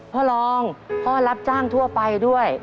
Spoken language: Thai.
พ่อรองพ่อรับจ้างทั่วไปด้วย